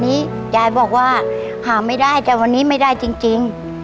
ยายบอกว่าหาไม่ได้แต่วันนี้ไม่ได้จริง